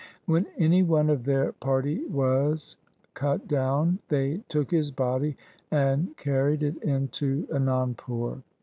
When any one of their party was cut down, they took his body and carried it into Anandpur.